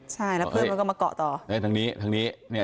ใช่แล้วเพื่อนมันก็มาเกาะต่อทางนี้ทางนี้เนี่ย